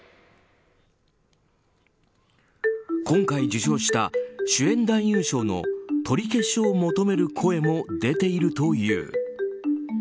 今回、受賞した主演男優賞の取り消しを求める声も出ているという。